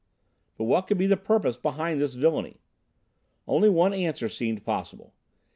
But what could be the purpose behind this villainy? Only one answer seemed possible.